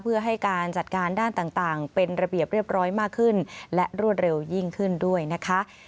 เพื่อให้การจัดการด้านต่างเป็นระเบียบเรียบร้อยมากขึ้นและรวดเร็วยิ่งขึ้นด้วยนะคะ